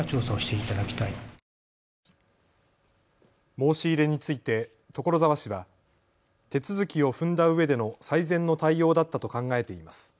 申し入れについて、所沢市は手続きを踏んだうえでの最善の対応だったと考えています。